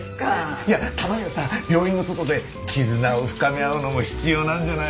いやたまにはさ病院の外で絆を深め合うのも必要なんじゃない？